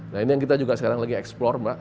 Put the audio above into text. nah ini yang kita juga sekarang lagi eksplor mbak